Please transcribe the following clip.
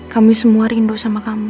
kami semua rindu sama kami